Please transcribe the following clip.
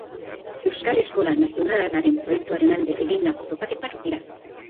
Euskal Eskola Nazionalaren proiektuaren alde egindako topaketak dira.